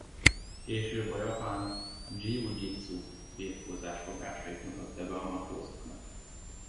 Később a japán dzsiudzsicu birkózás fogásait mutatta be a matrózoknak.